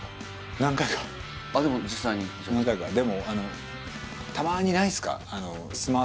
何回かでもたまにないっすか？